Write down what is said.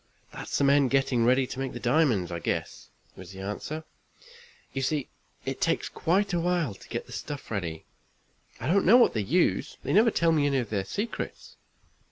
"That's the men getting ready to make diamonds, I guess," was the answer. "You see it takes quite a while to get the stuff ready. I don't know what they use they never tell me any of their secrets."